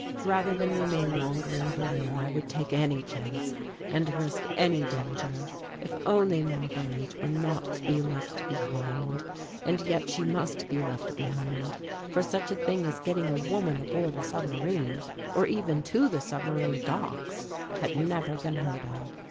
Rather than remain longer in Berlin I would take any chance and risk any danger if only Marguerite were not to be left behind. And yet she must be left behind, for such a thing as getting a woman aboard a submarine or even to the submarine docks had never been heard of.